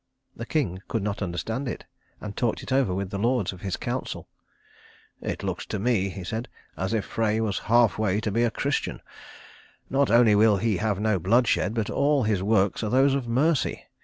The king could not understand it, and talked it over with the lords of his council. "It looks to me," he said, "as if Frey was half way to be a Christian. Not only will he have no bloodshed, but all his works are those of mercy.